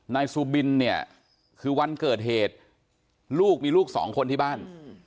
นายซูบินเนี่ยคือวันเกิดเหตุลูกมีลูกสองคนที่บ้าน